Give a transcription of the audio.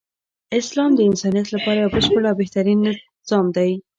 اسلام د انسانیت لپاره یو بشپړ او بهترین نظام دی .